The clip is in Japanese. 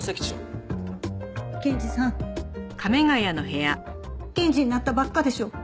検事さん検事になったばっかでしょ？